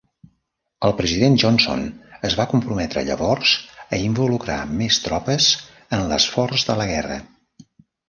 El president Johnson es va comprometre llavors a involucrar més tropes en l'esforç de la guerra.